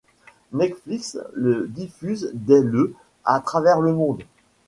Netflix le diffuse dès le à travers le monde.